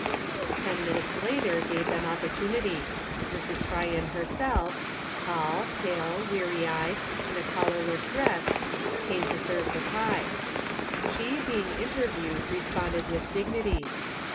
Ten mintues later gave them opportunity. Mrs. Tryon herself, tall, pale, weary eyed, in a collarless dress, came to serve the pie. She, being inter viewed, responded with dignity.